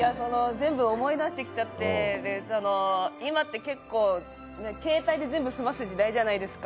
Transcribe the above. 全部思い出してきちゃって、今って結構携帯で全部済ます時代じゃないですか。